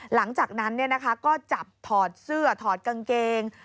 หลังจากนั้นก็จับถอดเสื้อถอดกางเกง